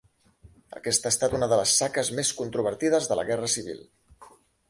Aquesta ha estat una de les 'saques' més controvertides de la Guerra Civil.